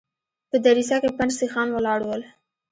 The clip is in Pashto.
په دريڅه کې پنډ سيخان ولاړ ول.